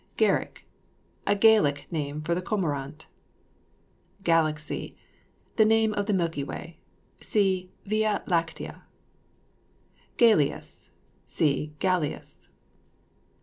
GAIRG. A Gaelic name for the cormorant. GALAXY. A name of the Milky Way. (See VIA LACTEA.) GALEAS. See GALLIAS.